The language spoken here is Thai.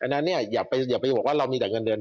นั้นเนี่ยอย่าไปบอกว่าเรามีแต่เงินเดือน